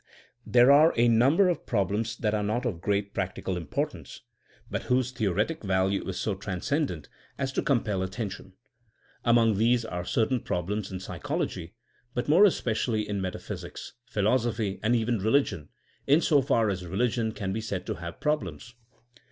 ... There are a number of problems that are not of great practical '^ importance, but whose theoretic value is so transcendent as to compel 222 THINEINa AS A 80IEN0E attention. Among these are certain problems in psychology, but more especially in metaphysics, philosophy and even reUgion, insofar as reUgion can be said to have problems.